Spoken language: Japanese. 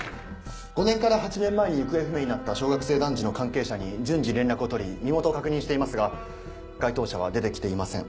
５年から８年前に行方不明になった小学生男児の関係者に順次連絡を取り身元を確認していますが該当者は出て来ていません。